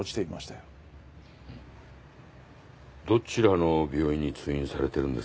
どちらの病院に通院されてるんですか？